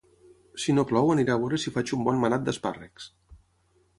Si no plou aniré a veure si faig un bon manat d'espàrrecs